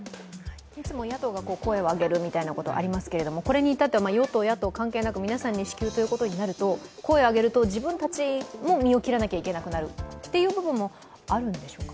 いつも野党が声を上げるみたいなことはありますがこれに至っては与党・野党関係なく皆さんに支給ということになると声を上げると自分たちも身を切らなきゃいけなくなるという部分もあるんでしょうか？